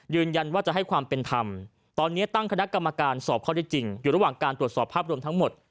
ยืนยันว่าจะให้ความเป็นธรรมตอนนี้ตั้งคณะกรรมการสอบข้อได้จริงอยู่ระหว่างการตรวจสอบภาพรวมทั้งหมด